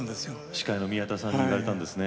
司会の宮田さんに言われたんですね。